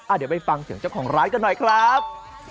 เดี๋ยวไปฟังเสียงเจ้าของร้านกันหน่อยครับ